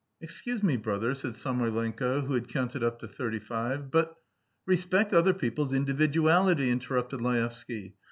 "Excuse me, brother," said Samoylenko, who had counted up to thirty five, "but ..." "Respect other people's individuality!" interrupted Laevsky.